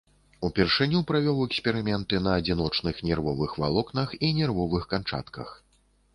Упершыню правёў эксперыменты на адзіночных нервовых валокнах і нервовых канчатках.